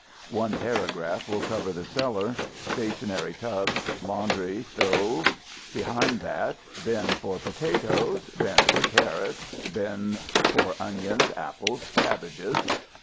One paragraph will cover the cellar. Stationary tubs, laundry stove. Behind that, bin for potatoes, bin for carrots, bins for onions, apples, cabbages.